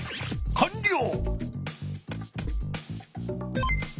かんりょう！